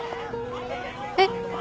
えっ？